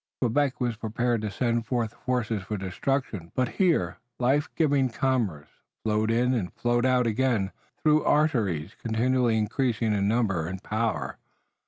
Quebec was prepared to send forth forces for destruction, but, here, life giving commerce flowed in and flowed out again through arteries continually increasing in number and power.